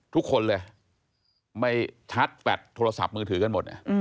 ทุกคนเลยไม่ชัดแฟลตโทรศัพท์มือถือกันหมด